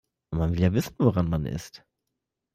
Man will ja wissen, woran man ist.